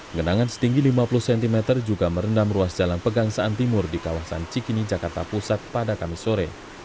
genangan setinggi lima puluh cm juga merendam ruas jalan pegangsaan timur di kawasan cikini jakarta pusat pada kamis sore